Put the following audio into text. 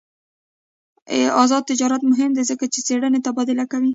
آزاد تجارت مهم دی ځکه چې څېړنې تبادله کوي.